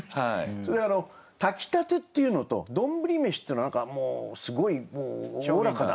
それで「炊きたて」っていうのと「どんぶり飯」っていうのは何かもうすごいおおらかな。